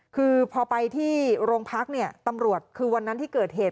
คือพอไปที่โรงพักเนี่ยตำรวจคือวันนั้นที่เกิดเหตุ